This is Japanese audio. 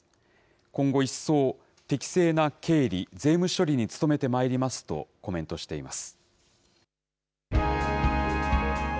今後一層、適正な経理、税務処理に努めてまいりますとコメントしています。